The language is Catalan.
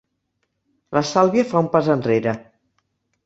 La Sàlvia fa un pas enrere.